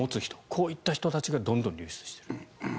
こういった人たちがどんどん流出している。